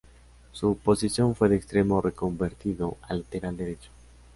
Su posición fue de extremo reconvertido a lateral derecho.